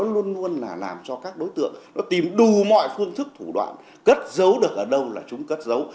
làm cho các đối tượng nó tìm đủ mọi phương thức thủ đoạn cất dấu được ở đâu là chúng cất dấu